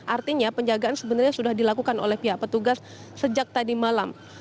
artinya penjagaan sebenarnya sudah dilakukan oleh pihak petugas sejak tadi malam